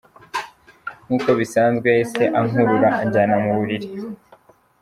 Nkuko bisanzwe yahise ankurura anjyana mu buriri.